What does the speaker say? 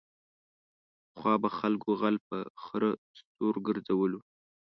پخوا به خلکو غل په خره سور گرځولو.